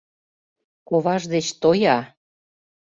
Коваж деч тоя!